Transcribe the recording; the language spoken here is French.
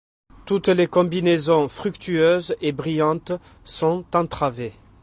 Toutes les combinaisons fructueuses et brillantes sont entravées.